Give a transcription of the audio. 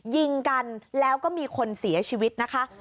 ยิงกันแล้วก็มีคนเสียชีวิตนะคะ